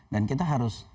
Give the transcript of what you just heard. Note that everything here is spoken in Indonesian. dan kita harus menurut ahok